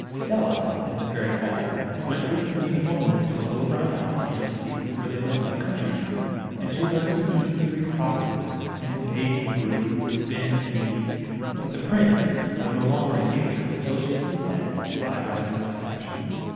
Stella, as the fairy called her, went with the seem ing old woman to a little brown house near, the sea, where they lived like country people, and she learned to eat and drink properly, and to bake and brew, to spin and weave. But the prince, tlj ough no longer in danger, still shaved his head, his eyebrows, and moustache.